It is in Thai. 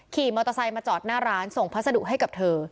ขี่มอเตอร์ไซค์มาจอดหน้าร้านส่งพัสดุให้กับเธอ